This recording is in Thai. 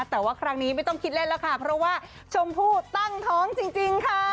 แต่ว่าครั้งนี้ไม่ต้องคิดเล่นแล้วค่ะเพราะว่าชมพู่ตั้งท้องจริงค่ะ